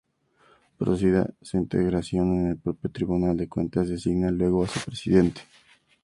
Producida su integración, el propio Tribunal de Cuentas designa luego a su Presidente.